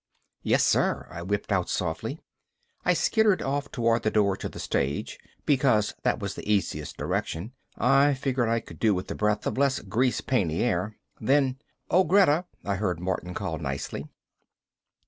"Yessir," I whipped out softly. I skittered off toward the door to the stage, because that was the easiest direction. I figured I could do with a breath of less grease painty air. Then, "Oh, Greta," I heard Martin call nicely.